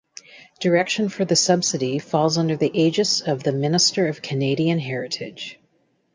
Direction for the subsidy falls under the aegis of the Minister of Canadian Heritage.